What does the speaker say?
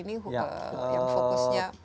ini bisa cerita sedikit mungkin kolaborasi kali ini